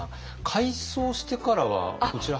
改装してからはこちら。